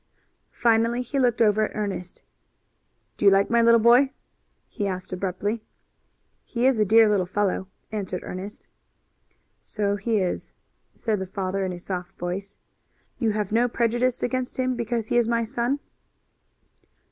Finally he looked over at Ernest. "Do you like my little boy?" he asked abruptly. "He is a dear little fellow," answered Ernest. "So he is," said the father in a soft voice. "You have no prejudice against him because he is my son?"